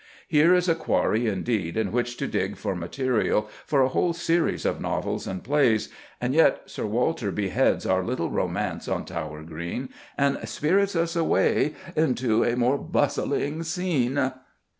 Here is a quarry indeed in which to dig for material for a whole series of novels and plays, and yet Sir Walter beheads our little romance on Tower Green, and spirits us away "into a more bustling scene."